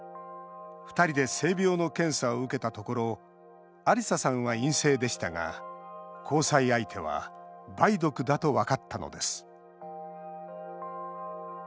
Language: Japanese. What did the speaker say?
２人で性病の検査を受けたところアリサさんは陰性でしたが交際相手は梅毒だと分かったのです。